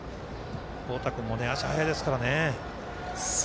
太田君も足速いですからね。